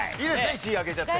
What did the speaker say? １位開けちゃって。